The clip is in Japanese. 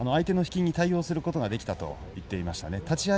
相手の引きに対応することができたと話しています。